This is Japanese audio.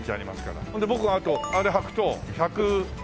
ほんで僕があれ履くと１９０。